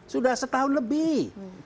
sudah setahun lebih